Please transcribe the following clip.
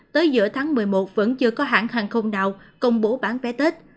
tới giữa tháng một mươi một vẫn chưa có hãng hàng không nào công bố bán vé tết